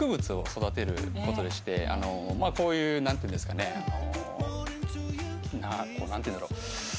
こういうなんていうんですかね？なんていうんだろう？